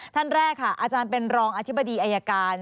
ท่านแรกค่ะอาจารย์เป็นรองอธิบดีอายการ